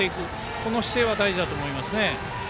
この姿勢は大事だと思いますね。